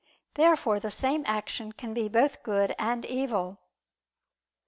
Therefore the same action cannot be both good and evil.